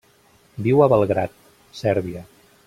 Viu a Belgrad, Sèrbia.